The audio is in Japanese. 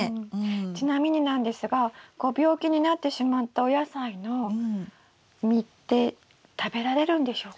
ちなみになんですがご病気になってしまったお野菜の実って食べられるんでしょうか？